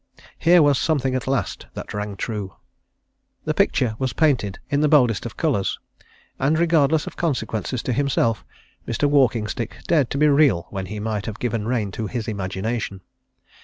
Here was something at last that rang true. The picture was painted in the boldest of colours, and, regardless of consequences to himself, Mr. Walkingstick dared to be real when he might have given rein to his imagination.